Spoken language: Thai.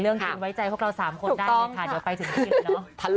เรื่องที่ไว้ใจพวกเรา๓คนได้เลยค่ะเดี๋ยวไปถึงที่เลยเนอะ